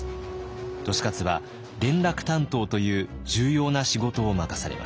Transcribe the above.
利勝は連絡担当という重要な仕事を任されました。